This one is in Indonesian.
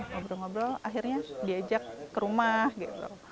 ngobrol ngobrol akhirnya diajak ke rumah gitu